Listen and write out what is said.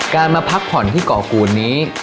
มาพักผ่อนที่เกาะกูลนี้